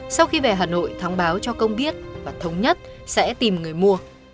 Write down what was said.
sau khi về hà nội thông báo cho công biết và thống nhất sẽ tìm người mua